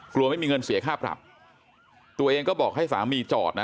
กลัวไม่มีเงินเสียค่าปรับตัวเองก็บอกให้สามีจอดนะ